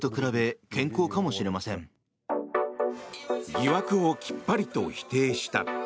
疑惑をきっぱりと否定した。